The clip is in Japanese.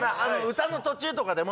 歌の途中とかでも